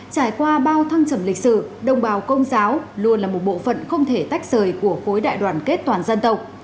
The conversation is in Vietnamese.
trải qua bao thăng trầm lịch sử đồng bào công giáo luôn là một bộ phận không thể tách rời của khối đại đoàn kết toàn dân tộc